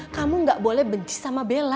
kamu gak boleh sama bella